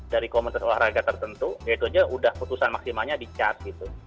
dari komentas olahraga tertentu ya itu aja sudah putusan maksimalnya di cas gitu